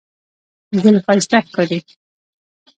ګل ښایسته ښکاري.